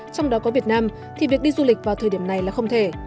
trong đó có việt nam thì việc đi du lịch vào thời điểm này là không thể